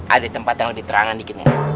ada tempat yang lebih terangan dikitnya